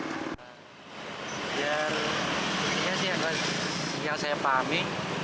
biar ini sih agak yang saya pahami